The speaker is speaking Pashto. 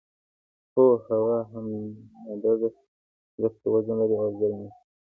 هو هوا هم ماده ده ځکه چې وزن لري او ځای نیسي.